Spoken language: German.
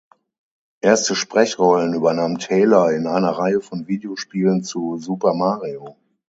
Erste Sprechrollen übernahm Taylor in einer Reihe von Videospielen zu "Super Mario".